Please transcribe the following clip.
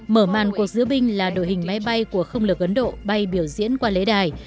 mở màn cuộc diễu binh là đội hình máy bay của không lực ấn độ bay biểu diễn qua lễ đài